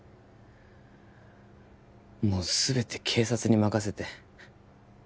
もう全て警察に任せて